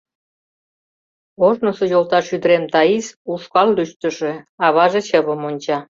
Ожнысо йолташ ӱдырем, Таис — ушкал лӱштышӧ, аваже чывым онча.